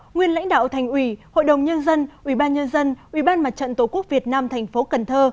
nguyên lãnh đạo thành ủy hội đồng nhân dân ubnd ubnd tổ quốc việt nam tp cần thơ